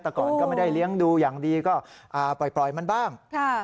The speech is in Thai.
แต่ก่อนก็ไม่ได้เลี้ยงดูอย่างดีก็ปล่อยมันบ้าง